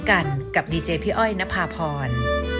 กันกับดีเจพี่อ้อยนภาพร